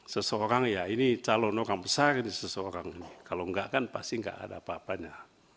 seseorang ya ini calon orang besar ini seseorang ini kalau enggak kan pasti nggak ada apa apanya